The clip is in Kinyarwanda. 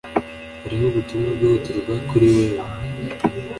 Hariho ubutumwa bwihutirwa kuri wewe.